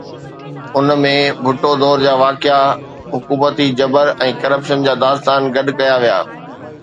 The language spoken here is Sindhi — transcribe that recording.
ان ۾ ڀٽو دور جا واقعا، حڪومتي جبر ۽ ڪرپشن جا داستان گڏ ڪيا ويا.